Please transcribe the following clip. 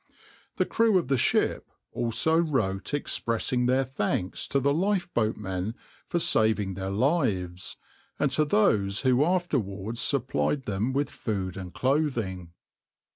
The crew of the ship also wrote expressing their thanks to the lifeboatmen for saving their lives, and to those who afterwards supplied them with food and clothing.